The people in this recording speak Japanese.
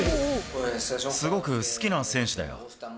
すごく好きな選手だよ。